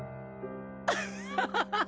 アハハハハ！